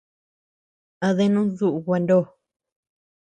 ¿A denud duʼu gua ndo?